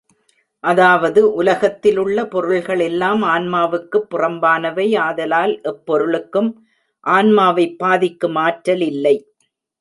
அதாவது, உலகத்திலுள்ள பொருள்கள் எல்லாம் ஆன்மாவுக்குப் புறம்பானவை ஆதலால் எப்பொருளுக்கும் ஆன்மாவைப் பாதிக்கும் ஆற்றலில்லை.